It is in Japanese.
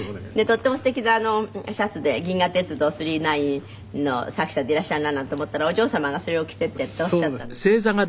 とってもすてきなシャツで『銀河鉄道９９９』の作者でいらっしゃるななんて思ったらお嬢様がそれを着て行ってっておっしゃったんですって？